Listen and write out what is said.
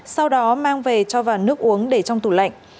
sau đó mang về cho vào nước uống để trong tủ lạnh